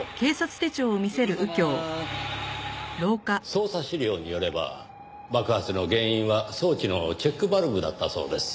捜査資料によれば爆発の原因は装置のチェックバルブだったそうです。